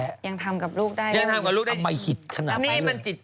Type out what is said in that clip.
เลี้ยงทำกับลูกได้